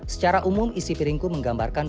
secara umum isi piringku menggambarkan